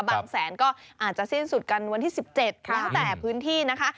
บางแสนก็อาจจะสิ้นสุดกันวันที่๑๗แล้วแต่พื้นที่นะคะ